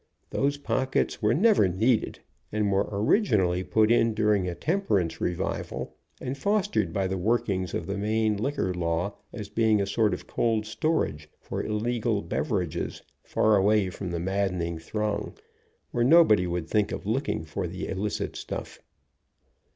Those pockets were never needed, and were originally put in during a temperance revival, and fostered by the workings of the Maine liquor law, as being a sort of cold storage for illegal bev erages, far away from the maddening throng, where nobody would think of looking for the illicit stuff.